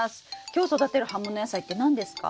今日育てる葉物野菜って何ですか？